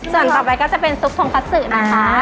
ส่วนต่อไปก็จะเป็นซุปทงพัสสือนะคะ